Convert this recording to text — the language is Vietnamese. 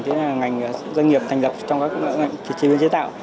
tức là ngành doanh nghiệp thành lập trong các ngành chế biến chế tạo